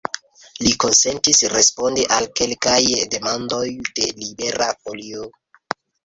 Li konsentis respondi al kelkaj demandoj de Libera Folio.